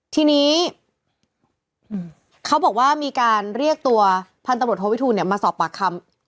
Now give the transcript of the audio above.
ทีนี้เขาบอกว่ามีการเรียกตัวพันตำรวจโทวิทูลมาสอบปากคำ